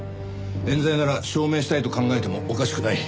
冤罪なら証明したいと考えてもおかしくない。